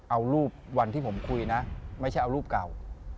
เอารูปวันที่ผมคุยนะไม่ใช่เอารูปเก่า